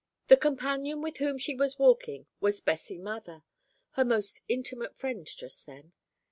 ] The companion with whom she was walking was Bessie Mather, her most intimate friend just then.